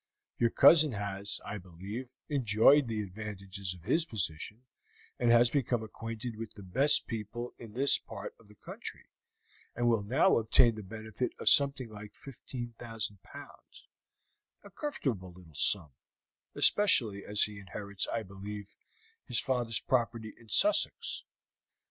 Your cousin has, I believe, enjoyed the advantages of the position, and has become acquainted with the best people in this part of the country, and will now obtain the benefit of something like 15,000 pounds a comfortable little sum, especially as he inherits, I believe, his father's property in Sussex.